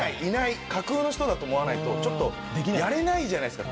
だと思わないとちょっとやれないじゃないですか。